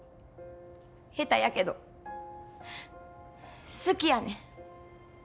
下手やけど好きやねん。